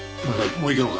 もう行くのか？